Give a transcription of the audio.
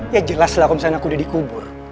ya jelas lah kalau misalnya aku udah dikubur